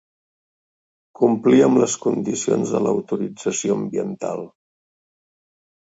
Complir amb les condicions de l'autorització ambiental.